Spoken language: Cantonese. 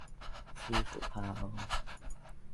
似乎怕我，